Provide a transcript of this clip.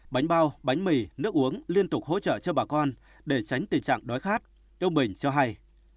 bánh bao bánh mì nước uống liên tục hỗ trợ cho bà con để tránh tình trạng đói khát yêu bình cho hay